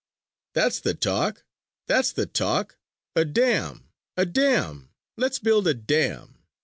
"That's the talk! That's the talk! A dam! A dam! Let's build a dam!"